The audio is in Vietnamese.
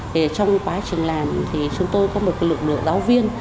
thì trong quá trình làm thì chúng tôi có một lực lượng giáo viên